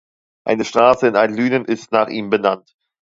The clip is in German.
Eine Straße in Altlünen ist nach ihm benannt.